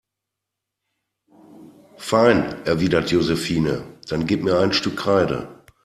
Fein, erwidert Josephine, dann gib mir ein Stück Kreide.